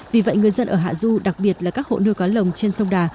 vì vậy người dân ở hạ du đặc biệt là các hộ nuôi cá lồng trên sông đà